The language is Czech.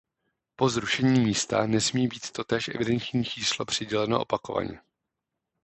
Po zrušení „Místa“ nesmí být totéž evidenční číslo přiděleno opakovaně.